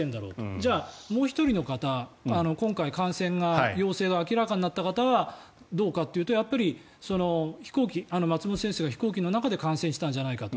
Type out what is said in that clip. じゃあ、もう１人の方今回感染が、陽性が明らかになった方はどうかというと松本先生が飛行機の中で感染してたんじゃないかと。